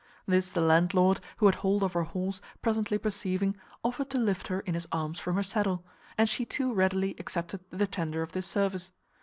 This the landlord, who had hold of her horse, presently perceiving, offered to lift her in his arms from her saddle; and she too readily accepted the tender of his service.